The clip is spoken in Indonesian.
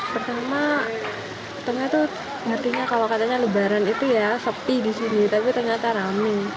pertama utuhnya tuh ngertinya kalau katanya lebaran itu ya sepi disini tapi ternyata rame